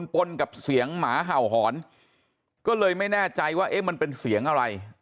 ปนกับเสียงหมาเห่าหอนก็เลยไม่แน่ใจว่าเอ๊ะมันเป็นเสียงอะไร